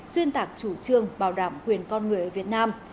xuyên tạc chủ trương bảo đảm quyền con người ở việt nam